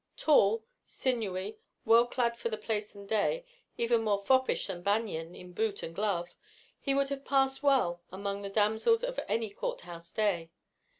Tall, sinewy, well clad for the place and day, even more foppish than Banion in boot and glove, he would have passed well among the damsels of any courthouse day.